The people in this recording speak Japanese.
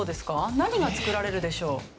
何が作られるでしょう？